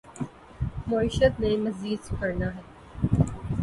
معیشت نے مزید سکڑنا ہے۔